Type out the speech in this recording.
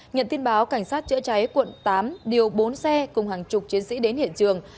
nhận tin báo cảnh sát chữa cháy quận tám điều bốn xe cùng hàng chục chiến sĩ đến hiện trường